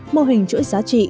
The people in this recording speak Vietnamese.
mô hình chuỗi giá trị